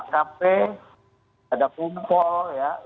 ini agak mengherankan dan membelalakan mata saya ya